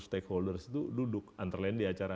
stakeholders itu duduk antrelen di acara